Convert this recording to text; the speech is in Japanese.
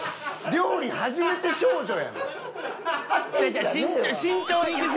料理初めて少女。